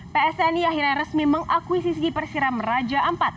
ps tni akhirnya resmi mengakui sisi persiram raja empat